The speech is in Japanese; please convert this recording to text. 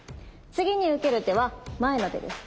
次に受ける手は前の手です。